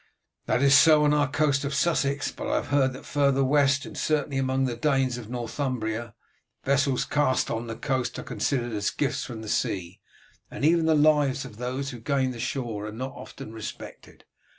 "That is so on our coast of Sussex, but I have heard that further west, and certainly among the Danes of Northumbria, vessels cast on the coast are considered as gifts from the sea, and even the lives of those who gain the shore are not often respected.